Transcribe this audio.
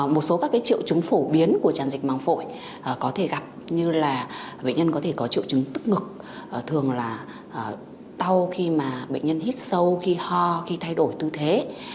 một số các triệu chứng phổ biến của tràn dịch màng phổi có thể gặp như là bệnh nhân có thể có triệu chứng tức ngực thường là đau khi mà bệnh nhân hít sâu khi ho khi thay đổi tư thế